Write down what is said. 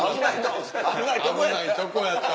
危ないとこやった。